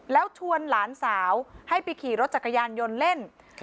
แล้วชวนหลานสาวให้ไปขี่รถจักรยานยนต์เล่น